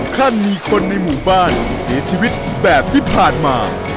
ขั้นมีคนในหมู่บ้านเสียชีวิตแบบที่ผ่านมา